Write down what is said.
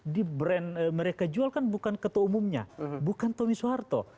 di brand mereka jual kan bukan ketua umumnya bukan tommy soeharto